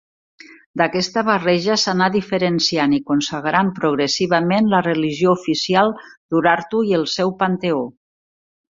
D'aquesta barreja s'anà diferenciant i consagrant progressivament la religió oficial d'Urartu i el seu panteó.